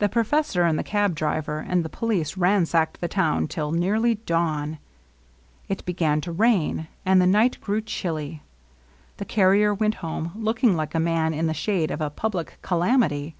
The professor and the cab driver and the police ransacked the town till nearly dawn. It began to rain, and the night grew chilly. The carrier went home, looking like a man in the shade of a public calamity.